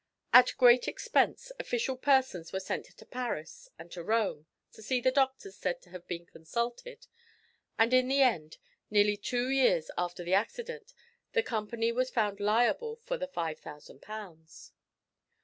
At great expense official persons were sent to Paris and to Rome to see the doctors said to have been consulted, and in the end nearly two years after the accident the Company was found liable for the 5000 pounds!